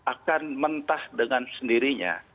akan mentah dengan sendirinya